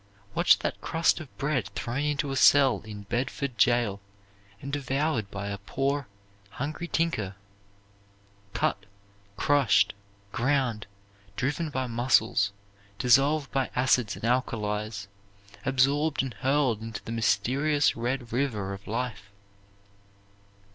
Watch that crust of bread thrown into a cell in Bedford Jail and devoured by a poor, hungry tinker; cut, crushed, ground, driven by muscles, dissolved by acids and alkalies; absorbed and hurled into the mysterious red river of life.